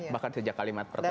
bahkan sejak kalimat pertama